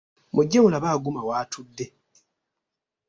Mujje mulabe Aguma w'atudde.